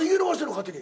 勝手に。